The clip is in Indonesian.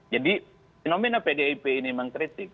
jadi fenomena pdip ini memang kritik